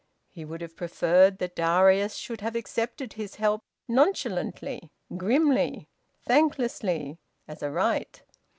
He would have preferred that Darius should have accepted his help nonchalantly, grimly, thanklessly, as a right.